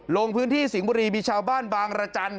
ลงพื้นที่สิงห์บุรีมีชาวบ้านบางรจันทร์